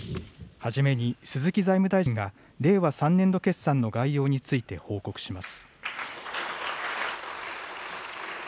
はじめに鈴木財務大臣が、令和３年度決算の概要について報告します。